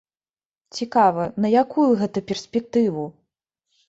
Цікава, на якую гэта перспектыву?